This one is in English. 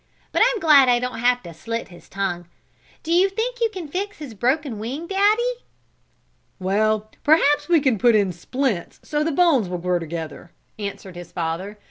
But I'm glad I don't have to slit his tongue. Do you think you can fix his broken wing, Daddy?" "Well, perhaps we can put it in splints so the bones will grow together," answered his father.